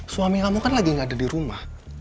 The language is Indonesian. suami kamu kan lagi nggak ada di rumah